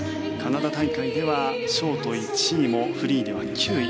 カナダ大会ではショート１位もフリーでは９位。